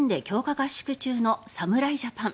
合宿中の侍ジャパン。